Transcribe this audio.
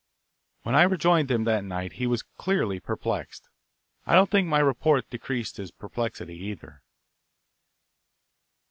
When I rejoined him that night he was clearly perplexed. I don't think my report decreased his perplexity, either.